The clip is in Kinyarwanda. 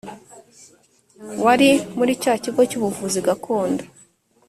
wari muri cya kigo cy’ubuvuzi gakondo.